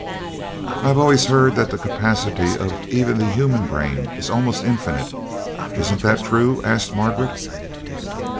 "I've always heard that the capacity of even the human brain was almost infinite. Isn't that true?" asked Margaret.